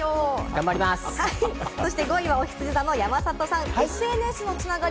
５位はおひつじ座の山里さん。